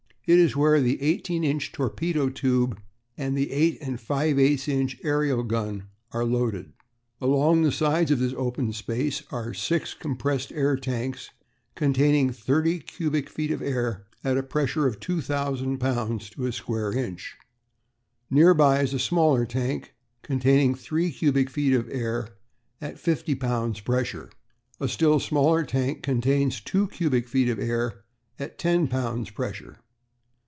It is where the eighteen inch torpedo tube, and the eight and five eighths inch aërial gun are loaded. "Along the sides of this open space are six compressed air tanks, containing thirty cubic feet of air at a pressure of 2000 lbs. to a square inch. Near by is a smaller tank, containing three cubic feet of air at a fifty pounds pressure. A still smaller tank contains two cubic feet of air at a ten pounds pressure.